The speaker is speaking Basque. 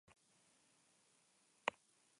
Taldearen ibilbidean gehien saldutako diskoa izan zen.